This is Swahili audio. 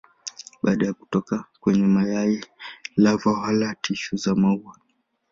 Baada ya kutoka kwenye mayai lava wala tishu za maua.